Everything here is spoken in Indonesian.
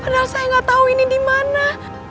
padahal saya gak tau ini dimana